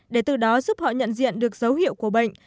để từ đó giúp họ nhận diện được dấu hiệu của bệnh